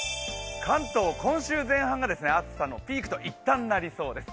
関東、今週前半が暑さのピークと一旦、なりそうです。